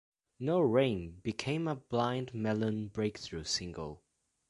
"No Rain" became Blind Melon's breakthrough single.